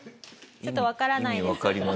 ちょっとわからないです。